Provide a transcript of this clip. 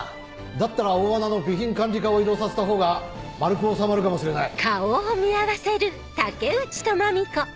だったら大穴の備品管理課を移動させたほうが丸く収まるかもしれない。